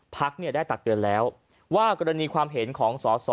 พรรคเนี่ยได้ตักเตือนแล้วว่ากรณีความเห็นของสส